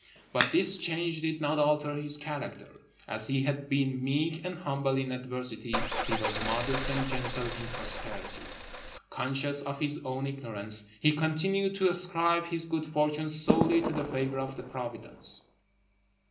But this change did not alter his character. As he had been meek and humble in adversity, he was modest and gentle in prosperity. Conscious of his own ignorance, he continued to ascribe his good fortune solely to the favour of Providence.